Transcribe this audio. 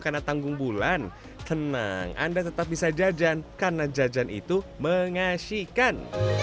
karena tanggung bulan tenang anda tetap bisa jajan karena jajan itu mengasihkan